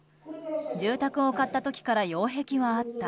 住宅を買った時から擁壁はあった